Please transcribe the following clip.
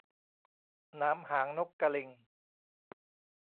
หนามหางนกกะลิง